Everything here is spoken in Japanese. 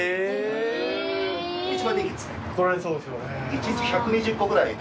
一日１２０個くらい。